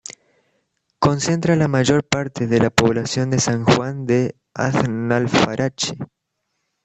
Concentra a la mayor parte de la población de San Juan de Aznalfarache.